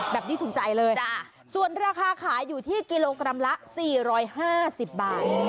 ถูกใจเลยส่วนราคาขายอยู่ที่กิโลกรัมละ๔๕๐บาท